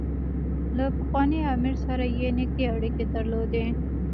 له پخواني امیر سره یې نېږدې اړیکې درلودې.